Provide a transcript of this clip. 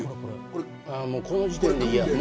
もう、この時点で嫌。